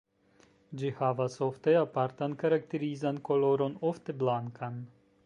Ĝi havas ofte apartan karakterizan koloron ofte blankan.